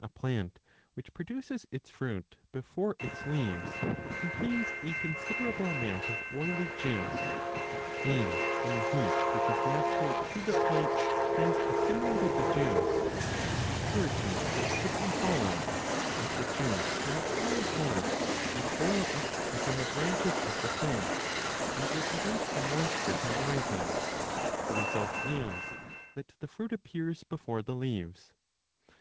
2 A plant which produces its fruit before its leaves contains 12 a considerable amount of oily juice, and when the heat which is natural to the plant has assimilated the juice, its maturity will quickly follow, and the juice will acquire 15 force and boil up within the branches of the plant and will prevent the moisture from rising ; the result is that the fruit appears before the leaves.